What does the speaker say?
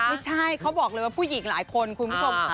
ไม่ใช่เขาบอกเลยว่าผู้หญิงหลายคนคุณผู้ชมค่ะ